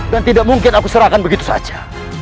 dan tidak mungkin aku serahkan begitu saja